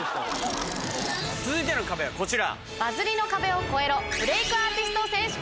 続いての壁はこちら。